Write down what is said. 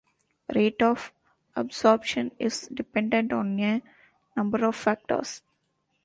Rate of absorption is dependent on a number of factors.